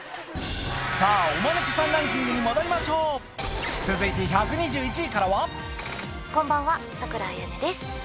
さぁおマヌケさんランキングに戻りましょう続いて１２１位からはこんばんは佐倉綾音です。